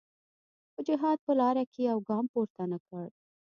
په جهاد په لاره کې یو ګام پورته نه کړ.